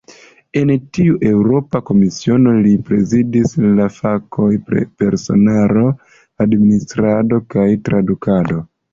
En tiu Eŭropa Komisiono, li prezidis la fakojn "personaro, administrado kaj tradukado".